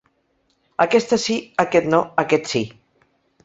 Aquesta sí, aquest no, aquest sí.